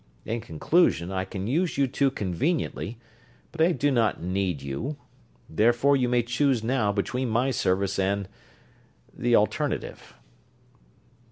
In conclusion, I can use you two conveniently, but I do not need you. Therefore you may choose now between my service and the alternative."